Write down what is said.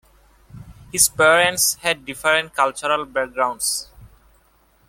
His parents had different cultural backgrounds.